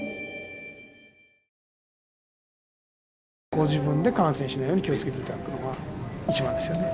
ご自分で感染しないように気を付けていただくのが一番ですよね。